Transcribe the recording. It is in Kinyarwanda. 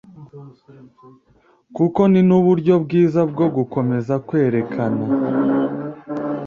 kuko ni n’uburyo bwiza bwo gukomeza kwerekana